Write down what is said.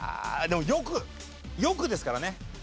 でも「よく」「よく」ですからね。